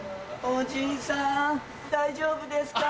おじいさん大丈夫ですか？